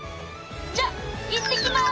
じゃ行ってきます！